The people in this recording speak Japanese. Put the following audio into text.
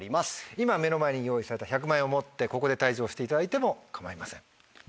今目の前に用意された１００万円を持ってここで退場していただいても構いません。